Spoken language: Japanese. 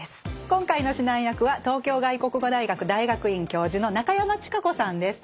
今回の指南役は東京外国語大学大学院教授の中山智香子さんです。